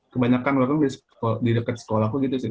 kebanyakan warung di dekat sekolahku gitu sih